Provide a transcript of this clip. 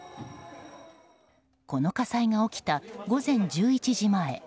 この火災が起きた午前１１時前。